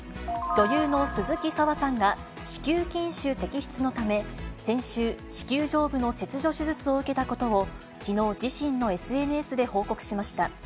女優の鈴木砂羽さんが、子宮筋腫摘出のため、先週、子宮上部の切除手術を受けたことを、きのう自身のＳＮＳで報告しました。